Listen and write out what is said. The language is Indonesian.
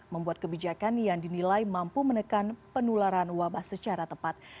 membuat kebijakan yang dinilai mampu menekan penularan wabah secara tepat